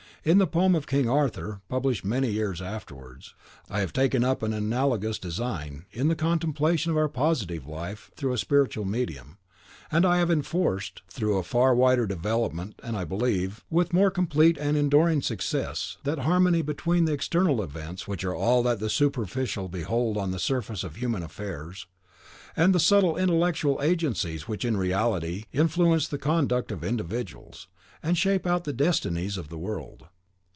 In the Poem of "King Arthur," published many years afterwards, I have taken up an analogous design, in the contemplation of our positive life through a spiritual medium; and I have enforced, through a far wider development, and, I believe, with more complete and enduring success, that harmony between the external events which are all that the superficial behold on the surface of human affairs, and the subtle and intellectual agencies which in reality influence the conduct of individuals, and shape out the destinies of the world.